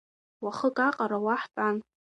Уахык аҟара уа ҳтәан.